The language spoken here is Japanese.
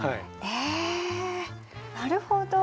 へえなるほど。